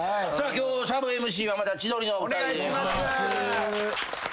今日サブＭＣはまた千鳥のお二人でございます。